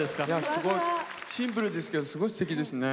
すごいシンプルですけどすごいすてきですね。